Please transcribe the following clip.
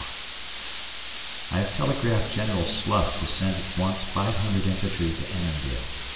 I have telegraphed General Slough to send at once 500 infantry to Annandale.